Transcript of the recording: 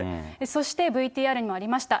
そしてＶＴＲにもありました、